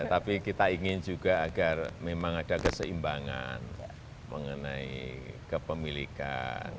tapi kita ingin juga agar memang ada keseimbangan mengenai kepemilikan